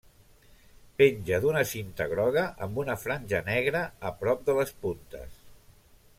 Penja d'una cinta groga amb una franja negra a prop de les puntes.